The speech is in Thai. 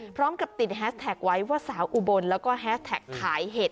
พร้อมกับติดแฮสแท็กไว้ว่าสาวอุบลแล้วก็แฮสแท็กขายเห็ด